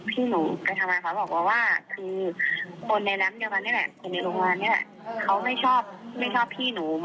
คือตอนนี้หนูรู้มาว่าพี่หนู